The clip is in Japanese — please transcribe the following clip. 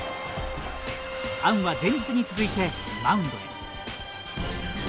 アンは前日に続いてマウンドへ。